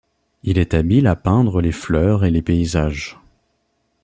Il est habile à peindre les fleurs et les paysages.